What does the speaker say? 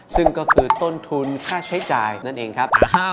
ซึ่งก็คือต้นทุนค่าใช้จ่ายนั่นเองครับ